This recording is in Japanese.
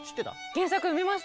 原作読みました。